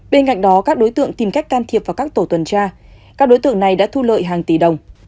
bên cạnh đó các đối tượng tìm cách can thiệp vào các tổ tuần tra các đối tượng này đã thu lợi hàng tỷ đồng